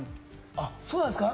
あっ、そうなんですか。